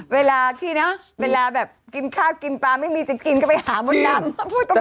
เวลาที่เนอะเวลาแบบกินข้าวกินปลาไม่มีจะกินก็ไปหามดดำ